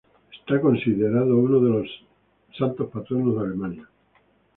Es considerado uno de los santos patronos de Alemania.